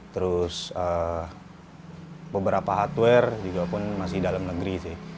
terus beberapa hardware juga pun masih dalam negeri sih